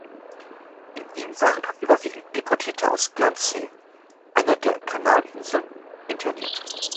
In ihm waren überwiegend Deportierte aus Guernsey, einer der Kanalinseln, interniert.